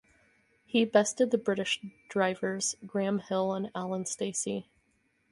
He bested the British drivers, Graham Hill and Alan Stacey.